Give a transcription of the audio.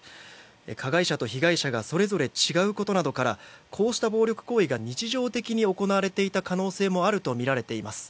加害者と被害者がそれぞれ違うことなどからこうした暴力行為が日常的に行われていた可能性もあるとみられています。